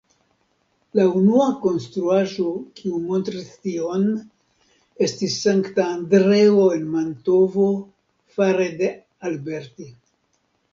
La unua konstruaĵo kiu montris tion estis Sankta Andreo en Mantovo fare de Alberti.